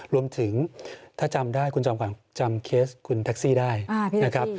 รวมถึงถ้าจำได้คุณจอมขวัญจำเคสคุณแท็กซี่ได้นะครับ